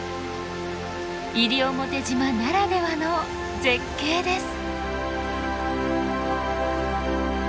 西表島ならではの絶景です。